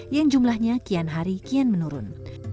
yang jumlahnya kian hari kian menurun